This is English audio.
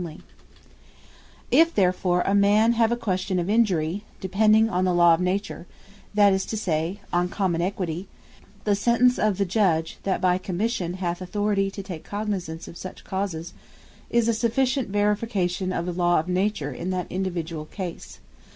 The Law Verifyed By The Subordinate Judge If therefore a man have a question of Injury, depending on the Law of Nature; that is to say, on common Equity; the Sentence of the Judge, that by Commission hath Authority to take cognisance of such causes, is a sufficient Verification of the Law of Nature in that individuall case.